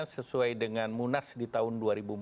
sesuai dengan munas di tahun